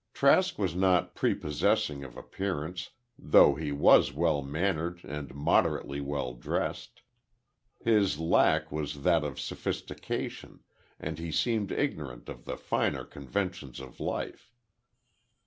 Trask was not prepossessing of appearance, though he was well mannered and moderately well dressed. His lack was that of sophistication, and he seemed ignorant of the finer conventions of life.